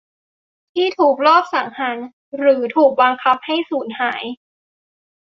ที่ถูกลอบสังหารหรือถูกบังคับให้สูญหาย